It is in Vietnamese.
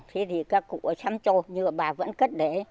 thế thì các cụ ở xăm trô nhựa bà vẫn cất để